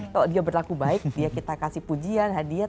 kalau dia berlaku baik dia kita kasih pujian hadiah